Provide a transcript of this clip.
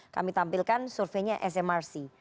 kami tampilkan surveinya smrc